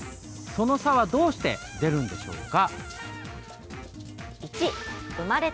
その差はどうして出るんでしょうか？